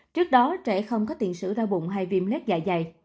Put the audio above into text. trước đó trẻ không có tiền sử đau bụng hay viêm lết dạ dày